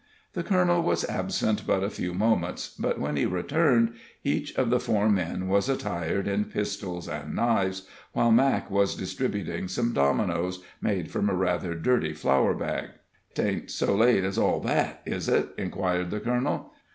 The colonel was absent but a very few moments, but when he returned each of the four men was attired in pistols and knives, while Mac was distributing some dominoes, made from a rather dirty flour bag. "'Tain't so late as all that, is it?" inquired the colonel.